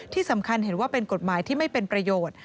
ที่สำคัญเห็นว่าเป็นกฎหมายที่ไม่เป็นประโยชน์